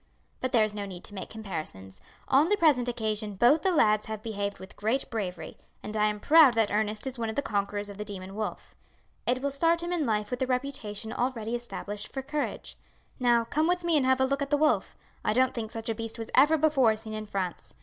But there is no need to make comparisons. On the present occasion both the lads have behaved with great bravery, and I am proud that Ernest is one of the conquerors of the demon wolf. It will start him in life with a reputation already established for courage. Now, come with me and have a look at the wolf. I don't think such a beast was ever before seen in France.